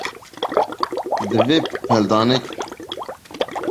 Di vê peldankê de jêrnivîs tune.